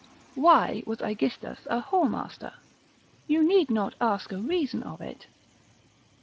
why was Aegistus a whoremaster? You need not ask a reason of it.